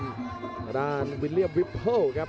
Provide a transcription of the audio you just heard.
ระดานวิลเลียมวิบโฮล่ครับ